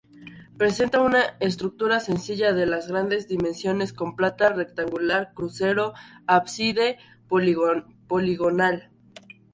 Presenta una estructura sencilla y de grandes dimensiones, con planta rectangular, crucero, ábside poligonal.